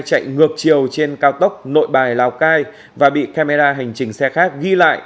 chạy ngược chiều trên cao tốc nội bài lào cai và bị camera hành trình xe khác ghi lại